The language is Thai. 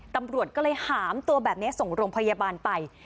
ตำรวจก็เลยหามตัวแบบนี้ส่งโรงพยาบาลไป